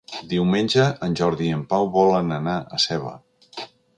Diumenge en Jordi i en Pau volen anar a Seva.